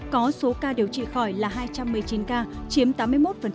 có số ca điều trị khỏi là hai trăm một mươi chín ca chiếm tám mươi một